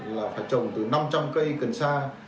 là phải trồng từ năm trăm linh cây cần sa